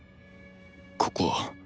ここは